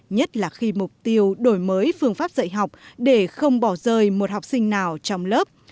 nhất là khi mục tiêu đổi mới phương pháp dạy học để không bỏ rời một học sinh nào trong lớp